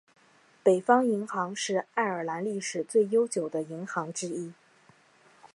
北方银行是爱尔兰历史最悠久的银行之一。